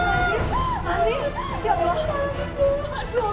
aduh aduh aduhaduh